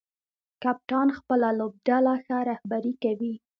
کپتان خپله لوبډله ښه رهبري کوي.